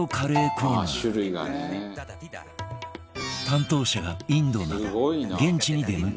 担当者がインドなど現地に出向き